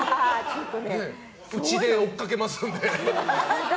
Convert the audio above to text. うちで追っかけますんで。